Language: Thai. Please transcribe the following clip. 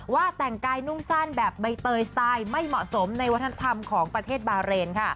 ว่าแต่งกายนุ่งสั้นแบบใบเตยสไตล์ไม่เหมาะสมในวัฒนธรรมของประเทศบาเรน